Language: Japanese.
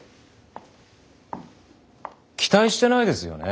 期待してないですよね？